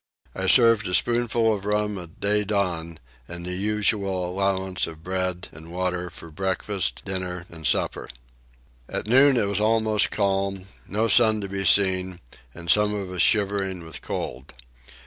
I served a spoonful of rum at day dawn, and the usual allowance of bread and water for breakfast, dinner, and supper. At noon it was almost calm, no sun to be seen, and some of us shivering with cold.